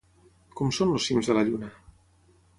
Com són els cims de la lluna?